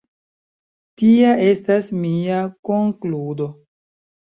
Tia estas mia konkludo.